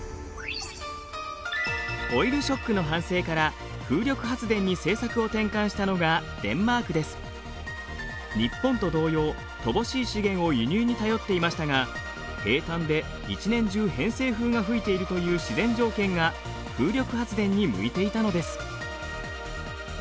オイルショックの反省から風力発電に政策を転換したのが日本と同様乏しい資源を輸入に頼っていましたが平たんで１年中偏西風が吹いているという自然条件が風力発電に向いていたのです。